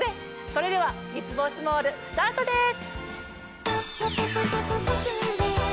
それでは『三ツ星モール』スタートです。